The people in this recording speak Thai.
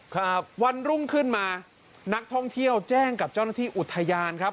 ครับวันรุ่งขึ้นมานักท่องเที่ยวแจ้งกับเจ้าหน้าที่อุทยานครับ